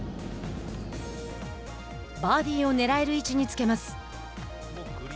バーディーをねらえる位置につけます。